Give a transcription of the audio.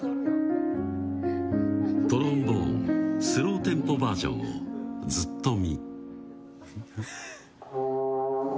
トロンボーンスローテンポバージョンをずっとみ。